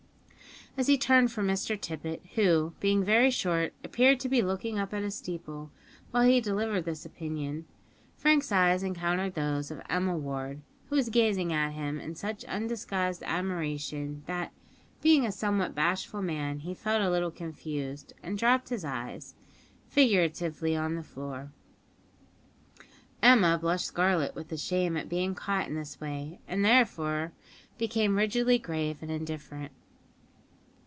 As he turned from Mr Tippet who, being very short, appeared to be looking up at a steeple while he delivered this opinion Frank's eyes encountered those of Emma Ward, who was gazing at him in such undisguised admiration, that, being a somewhat bashful man, he felt a little confused, and dropped his eyes, figuratively, on the floor. Emma blushed scarlet with shame at being caught in this way, and thereafter became rigidly grave and indifferent.